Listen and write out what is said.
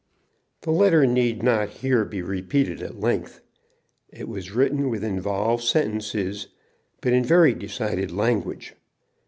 The letter need not here be repeated at length. It was written with involved sentences, but in very decided language.